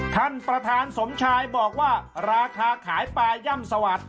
ท่านประธานสมชายบอกว่าราคาขายปลาย่ำสวัสดิ